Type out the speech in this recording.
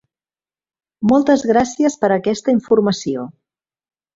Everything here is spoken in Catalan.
Moltes gràcies per aquesta informació!